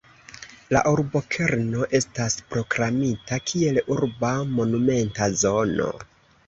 La urbokerno estas proklamita kiel urba monumenta zono.